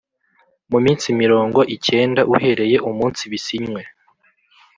mu minsi mirongo icyenda uhereye umunsi bisinywe